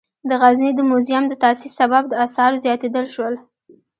د غزني د موزیم د تاسیس سبب د آثارو زیاتیدل شول.